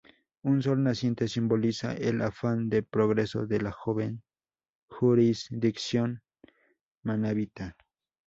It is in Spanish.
Un sol naciente simboliza el afán de progreso de la joven jurisdicción manabita.